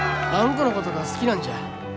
このことが好きなんじゃ。